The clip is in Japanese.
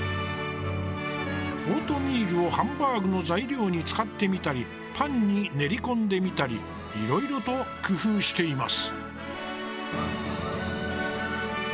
オートミールをハンバーグの材料に使ってみたりパンに練り込んでみたりいろいろと工夫しています。